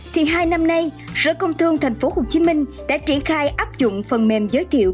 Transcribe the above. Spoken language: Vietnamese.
thì hai năm nay sở công thương tp hcm đã triển khai áp dụng phần mềm giới thiệu